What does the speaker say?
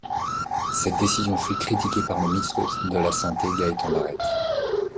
Cette décision fut critiquée par le ministre de la Santé Gaétan Barrette.